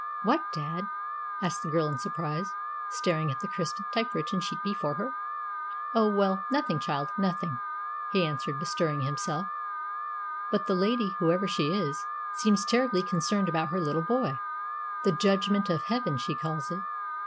"What, dad?" asked the girl in surprise, staring at the crisp typewritten sheet before her. "Oh, well, nothing child nothing," he answered, bestirring himself. "But the lady whoever she is, seems terribly concerned about her little boy. The judgment of Heaven, she calls it."